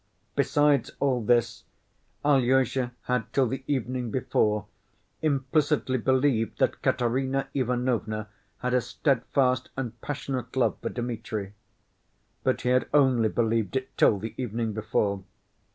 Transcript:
Besides all this, Alyosha had till the evening before implicitly believed that Katerina Ivanovna had a steadfast and passionate love for Dmitri; but he had only believed it till the evening before.